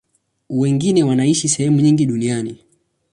Wengine wanaishi sehemu nyingi duniani.